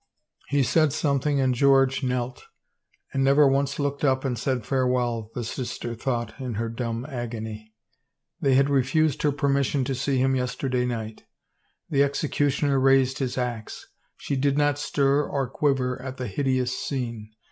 He said something and George knelt. And never once looked up and said farewell, the sister thought in her dumb agony. They had refused her permission to see him yesterday night. ... The executioner raised his ax. ... She did not stir or quiver at the hideous scene.